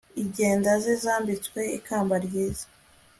inganda ze zambitswe ikamba ryiza